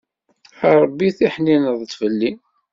A Rebbi tiḥnineḍ-d fell-i.